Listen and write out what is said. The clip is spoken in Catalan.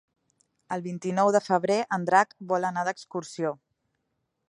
El vint-i-nou de febrer en Drac vol anar d'excursió.